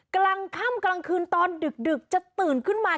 กำลังค่ำตอนดึกจะเตื่อนขึ้นมา